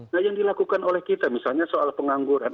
nah yang dilakukan oleh kita misalnya soal pengangguran